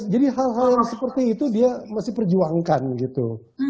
jadi hal hal yang seperti itu dia masih perjuangkan gitu